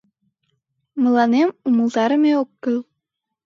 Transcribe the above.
Мыланем умылтарыме ок кӱл.